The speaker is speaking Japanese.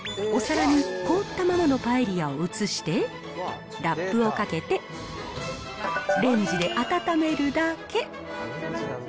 お皿に凍ったままのパエリアを移して、ラップをかけてレンジで温めるだけ。